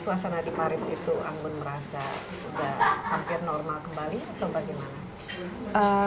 suasana di paris itu anggun merasa sudah hampir normal kembali atau bagaimana